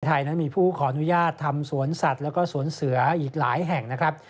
ไทยนั้นมีผู้ขออนุญาตทำสวนสัตว์แล้วก็สวนเสืออีกหลายแห่งนะครับ